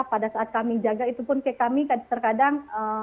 pada saat kami jaga itu pun kayak kami kadang kadang